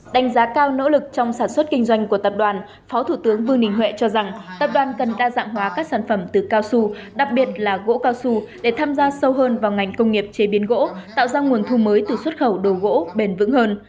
đánh giá cao nỗ lực trong sản xuất kinh doanh của tập đoàn phó thủ tướng vương đình huệ cho rằng tập đoàn cần đa dạng hóa các sản phẩm từ cao su đặc biệt là gỗ cao su để tham gia sâu hơn vào ngành công nghiệp chế biến gỗ tạo ra nguồn thu mới từ xuất khẩu đồ gỗ bền vững hơn